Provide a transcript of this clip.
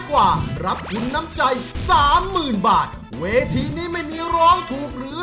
กว่ารับคุณน้ำใจ๓๐๐๐๐บาทเวทีนี้ไม่มีร้องถูกหรือ